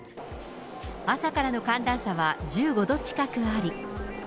朝からの寒暖差は１５度近くあり。